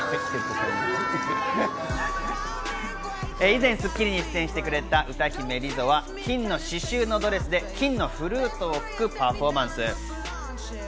以前『スッキリ』に出演してくれた歌姫リゾは金の刺繍のドレスで金のフルートを吹くパフォーマンス。